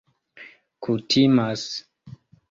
kutimas